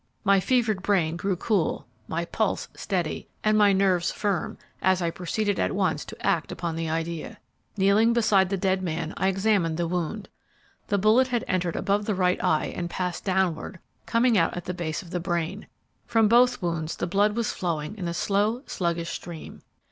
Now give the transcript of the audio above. "My fevered brain grew cool, my pulse steady, and my nerves firm as I proceeded at once to act upon the idea. Kneeling beside the dead man, I examined the wound. The bullet had entered above the right eye and passed downward, coming out at the base of the brain; from both wounds the blood was flowing in a slow, sluggish stream.